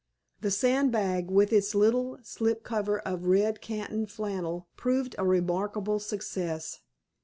The sand bag, with its little slip cover of red canton flannel, proved a remarkable success.